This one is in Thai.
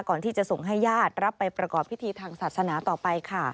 ก่อนที่จะส่งให้ญาติรับไปประกอบพิธีทางศาสนาต่อไปค่ะ